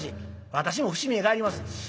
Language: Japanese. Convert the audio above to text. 私も伏見へ帰ります。